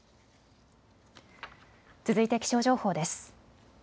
続いて気象情報です。